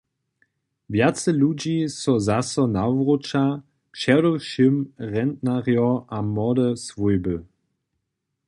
Wjace ludźi so zaso nawróća, předewšěm rentnarjo a młode swójby.